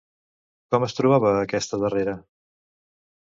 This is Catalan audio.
Com es trobava aquesta darrera?